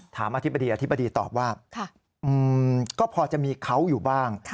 อธิบดีอธิบดีตอบว่าก็พอจะมีเขาอยู่บ้าง